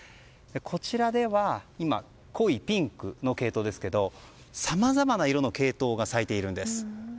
こちらでは今、濃いピンクのケイトウですがさまざまな色のケイトウが咲いているんです。